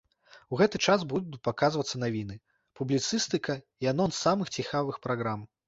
У гэты час будуць паказвацца навіны, публіцыстыка і анонс самых цікавых праграм.